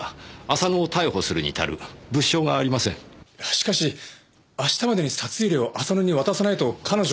しかし明日までに札入れを浅野に渡さないと彼女。